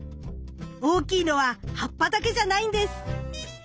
大きいのは葉っぱだけじゃないんです。